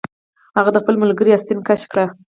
هغه د خپل ملګري آستین کش کړ